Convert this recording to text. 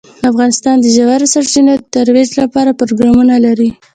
افغانستان د ژورې سرچینې د ترویج لپاره پروګرامونه لري.